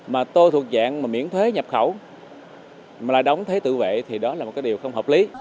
mà tôi thuộc diện miễn thuế nhập khẩu mà đóng thuế tự vệ thì đó là một điều không hợp lý